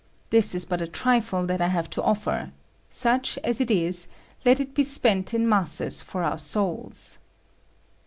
This is but a trifle that I have to offer; such as it is, let it be spent in masses for our souls!"